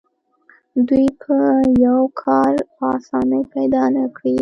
دوی به یو کار هم په اسانۍ پیدا نه کړي